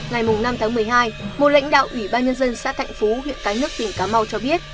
ngày năm tháng một mươi hai một lãnh đạo ủy ban nhân dân xã thạnh phú huyện cái nước tỉnh cà mau cho biết